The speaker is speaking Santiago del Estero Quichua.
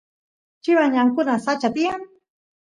chivas ñankuna sacha tiyan